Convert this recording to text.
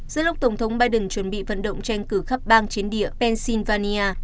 giữa lúc tổng thống biden chuẩn bị vận động tranh cử khắp bang chiến địa pennsylvania